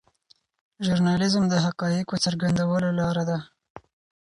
ژورنالیزم د حقایقو څرګندولو لاره ده.